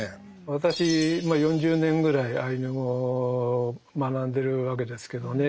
私まあ４０年ぐらいアイヌ語を学んでるわけですけどね